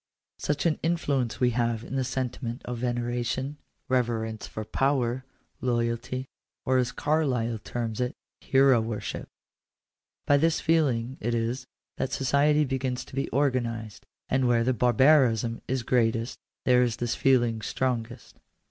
Such an influence we have in the sentiment of veneration, reverence for power, loyalty, or, as Carlyle terms it — hero worship. By this feeling it is, that society begins to be organized ; and where the bar barism is greatest, there is this feeling strongest.